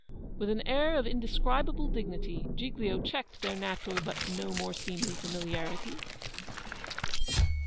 With an air of indescribable dignity, Giglio checked their natural, but no more seemly, familiarity.